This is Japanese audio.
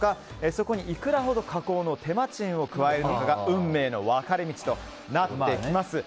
そこにいくらほど加工の手間賃を加えるのかが運命の分かれ道となってきます。